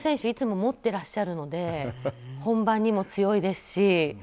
いつも持ってらっしゃるので本番にも強いですし。